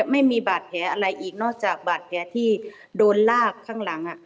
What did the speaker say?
ไม่มีบาดแผลอะไรอีกนอกจากบาดแผลที่โดนลากข้างหลัง